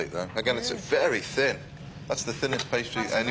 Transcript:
はい。